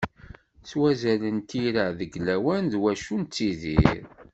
S wazal n tira deg lawan deg wacu nettidir.